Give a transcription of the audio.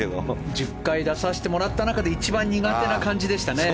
１０回出させてもらった中で一番苦手な感じでしたね。